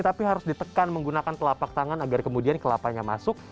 tapi harus ditekan menggunakan telapak tangan agar kemudian kelapanya masuk